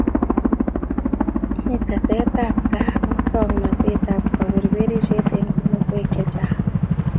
Mi tesetaet ab masongnatet ab kabeberstate enh komaswek che chang